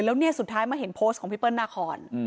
แล้วเนี่ยสุดท้ายมาเห็นโพสต์ของพี่เปิ้ลนาคอน